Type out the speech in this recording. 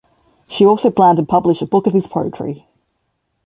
She also planned to publish a book of his poetry.